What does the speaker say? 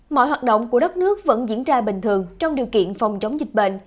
mọi hoạt động của đất nước vẫn diễn ra bình thường trong điều kiện phòng chống dịch bệnh